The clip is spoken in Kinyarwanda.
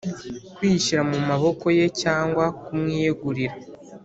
“kwishyira mu maboko ye” cyangwa “kumwiyegurira,”